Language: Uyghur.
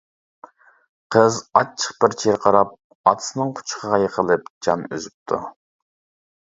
قىز ئاچچىق بىر چىرقىراپ ئاتىسىنىڭ قۇچىقىغا يىقىلىپ جان ئۈزۈپتۇ.